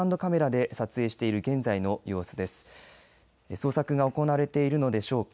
捜索が行われているのでしょうか。